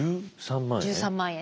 １３万円。